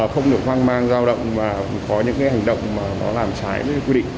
không được vang mang giao động và có những hành động làm trái với quy định